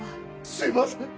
すいません！